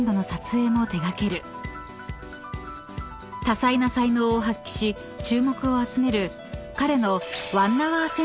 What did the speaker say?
［多彩な才能を発揮し注目を集める彼の］